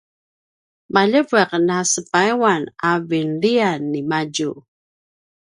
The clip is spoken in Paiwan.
“maljeveq na sepayuan” a vinlian nimadju